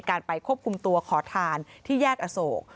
การไปควบคุมตัวขอทานที่แยกอโศก